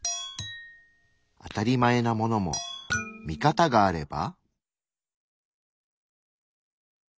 「あたりまえ」なものも「ミカタ」があれば。